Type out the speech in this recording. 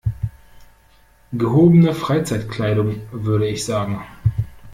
Gehobene Freizeitkleidung würde ich sagen.